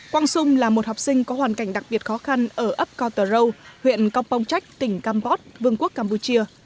quang sung là một học sinh có hoàn cảnh đặc biệt khó khăn ở ấp cô tờ râu huyện công pông trách tỉnh campot vương quốc campuchia